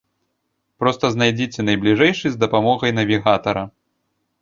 Проста знайдзіце найбліжэйшы з дапамогай навігатара.